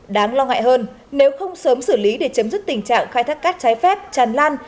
đáng lo ngại hơn nếu không sớm xử lý để chấm dứt tình trạng khai thác cát trái phép tràn lan